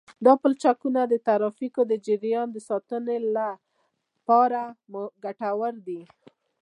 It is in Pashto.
دا پلچکونه د ترافیکو د جریان د ساتلو لپاره ګټور دي